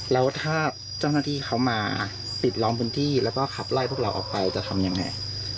แล้วถ้าเจ้าหน้าที่เขามาปิดล้อมพื้นที่แล้วก็ขับไล่พวกเราออกไปจะทำยังไง